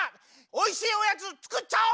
おいしいおやつつくっちゃおう！